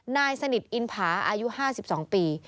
นายสนิทอินผาอายุ๕๒ปี